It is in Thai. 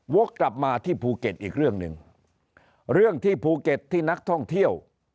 กลับมาที่ภูเก็ตอีกเรื่องหนึ่งเรื่องที่ภูเก็ตที่นักท่องเที่ยว